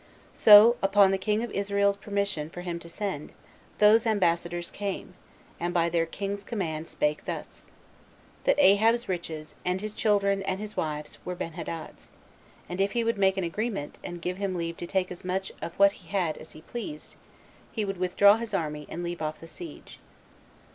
So, upon the king of Israel's permission for him to send, those ambassador's came, and by their king's command spake thus: That Ahab's riches, and his children, and his wives were Benhadad's, and if he would make an agreement, and give him leave to take as much of what he had as he pleased, he would withdraw his army, and leave off the siege.